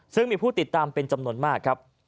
ซึ่งมีผู้ติดตามเป็นจำนวนมากครับ